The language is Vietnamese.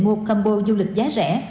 mua combo du lịch giá rẻ